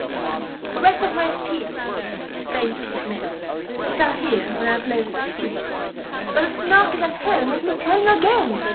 "The rest of my speech" (he explained to his men) Â Â Â Â "You shall hear when I've leisure to speak it. But the Snark is at hand, let me tell you again!